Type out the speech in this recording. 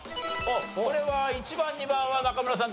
これは１番２番は中村さんと同じく。